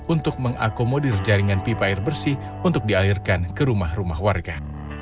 untuk mengakomodir jaringan pipa air bersih untuk dialirkan ke rumah rumah warga